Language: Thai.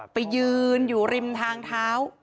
ไปยืนอยู่ริมทางเท้า